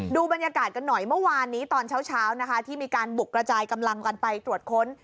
ดูบรรยากาศกันหน่อยเมื่อวานนี้ตอนเช้านะคะที่มีการบุกกระจายกำลังกันไปตรวจค้น